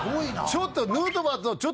ちょっと。